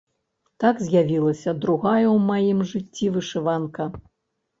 Так з'явілася другая ў маім жыцці вышыванка.